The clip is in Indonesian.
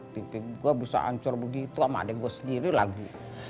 tipe gua bisa ancur begitu sama adik gue sendiri lagi